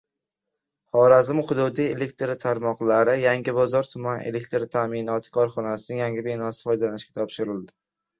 “Xorazm hududiy elektr tarmoqlari”: Yangibozor tuman elektr ta'minoti korxonasining yangi binosi foydalanishga topshirildi